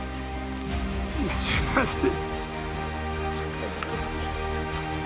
すいません。